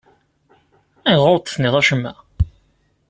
Ayɣer ur d-tenniḍ acemma?